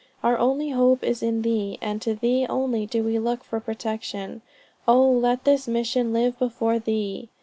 Our only hope is in thee, and to thee only do we look for protection. Oh, let this mission live before thee!"